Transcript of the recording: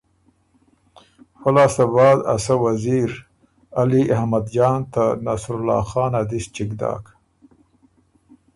فۀ لاسته بعد ا سۀ وزیر علی احمد جان ته نصرالله خان ا دِس چِګ داک